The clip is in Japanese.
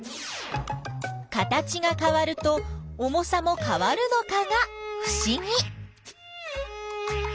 形がかわると重さもかわるのかがふしぎ。